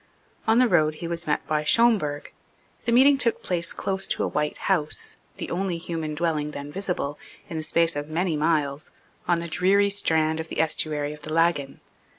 On the road he was met by Schomberg. The meeting took place close to a white house, the only human dwelling then visible, in the space of many miles, on the dreary strand of the estuary of the Laggan.